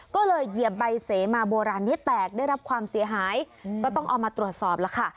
ก็เลยเหยียบใบเสมาโบราณให้แตกได้รับความเสียหายก็ต้องเอามาตรวจสอบแล้วค่ะ